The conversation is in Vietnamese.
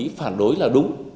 tôi nghĩ phản đối là đúng